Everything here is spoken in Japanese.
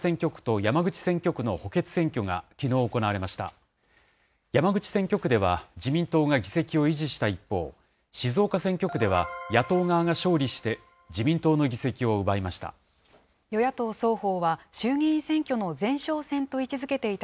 山口選挙区では、自民党が議席を維持した一方、静岡選挙区では野党側が勝利して、自民党の議席を奪いました。